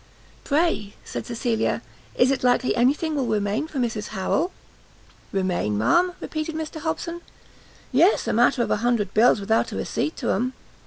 "Pray," said Cecilia, "is it likely any thing will remain for Mrs Harrel?" "Remain, ma'am?" repeated Mr Hobson, "Yes, a matter of a hundred bills without a receipt to 'em!